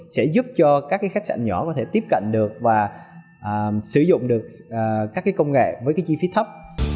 sẽ giúp cho các cái khách sạn nhỏ có thể tiếp cận được và sử dụng được các cái công nghệ với cái chi phí thấp